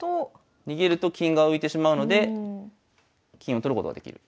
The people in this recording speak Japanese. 逃げると金が浮いてしまうので金を取ることができる。